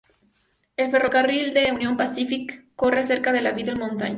El ferrocarril de Union Pacific corre cerca de Battle Mountain.